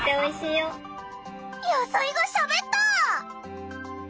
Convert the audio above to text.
野菜がしゃべった！